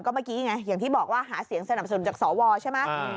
เมื่อกี้ไงอย่างที่บอกว่าหาเสียงสนับสนุนจากสวใช่ไหม